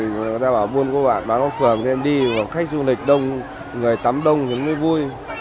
người ta bảo buôn của bạn bán phòng thì đi khách du lịch đông người tắm đông thì mới vui